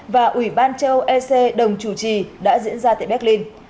và ủy ban châu âu ec đồng chủ trì đã diễn ra tại berlin